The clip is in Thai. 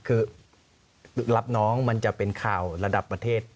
คือรับน้องมันจะเป็นข่าวระดับประเทศ